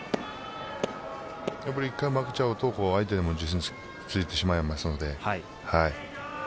１回負けちゃうと相手にも自信がついてしまいますので。